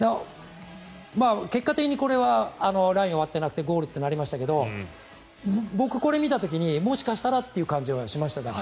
結果的にこれはラインを割ってなくてゴールとなりましたが僕、これを見た時にもしかしたらという感じはしましたから。